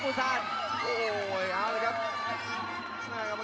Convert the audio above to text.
หัวจิตหัวใจแก่เกินร้อยครับ